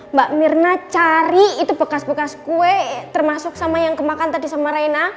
mbak mirna cari itu bekas bekas kue termasuk sama yang kemakan tadi sama reina